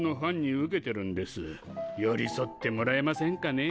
寄り添ってもらえませんかね。